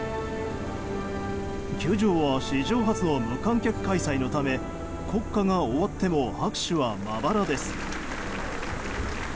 球場は史上初の無観客開催のため国歌が終わっても拍手はまばらです。